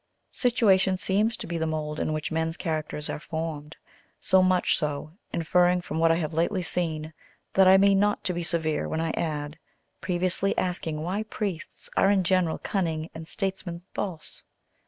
Situation seems to be the mould in which men's characters are formed: so much so, inferring from what I have lately seen, that I mean not to be severe when I add previously asking why priests are in general cunning and statesmen false?